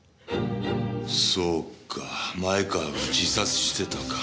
そうか前川が自殺してたか。